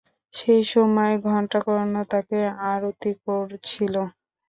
সেই সময় ঘণ্টাকর্ণ তাঁকে আরতি করছিল।